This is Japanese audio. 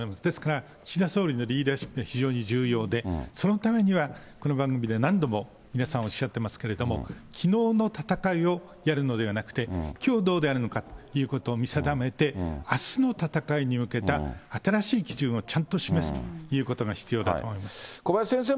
ですから、岸田総理のリーダーシップ、非常に重要で、そのためには、この番組で何度も皆さんおっしゃっていますけど、きのうの戦いをやるのではなくて、きょうどうであるのかということを見定めて、あすの闘いに向けた新しい基準をちゃんと示すということが必要だと思います。